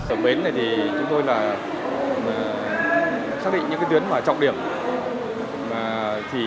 ở bến này thì chúng tôi là xác định những tuyến trọng điểm